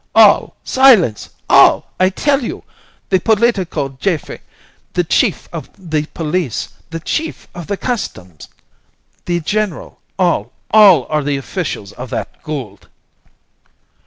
All! Silence! All! I tell you! The political Gefe, the chief of the police, the chief of the customs, the general, all, all, are the officials of that Gould."